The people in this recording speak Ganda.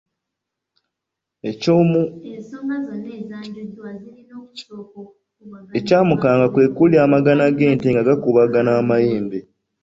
Ekyamukanga kwe kuwulira amagana g’ente nga gakubagana amayembe.